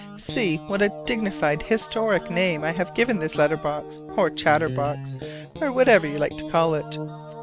See what a dignified historic name I have given this letter box, or chatterbox, or whatever you like to call it.